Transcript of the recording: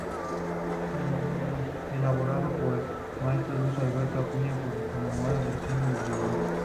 Elaborado por el Maestro Luis Alberto Acuña para conmemorar a San Isidro Labrador.